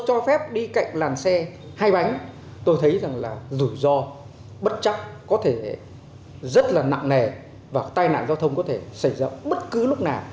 khi phép đi cạnh làn xe hai bánh tôi thấy rằng là rủi ro bất chắc có thể rất là nặng nề và tai nạn giao thông có thể xảy ra bất cứ lúc nào